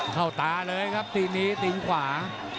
เข้าตาเลยครับทีมนี้ติ้งขวา